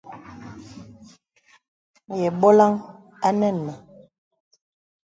Yə bɔlaŋ a nɛŋ mə.